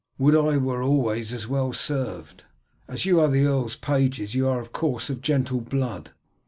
"Would I were always as well served. As you are the earl's pages you are of course of gentle blood?"